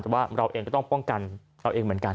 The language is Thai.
แต่ว่าเราเองก็ต้องป้องกันเราเองเหมือนกัน